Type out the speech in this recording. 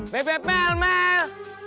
bebe pel mel